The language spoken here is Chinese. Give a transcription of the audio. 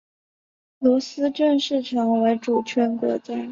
罗斯正式成为主权国家。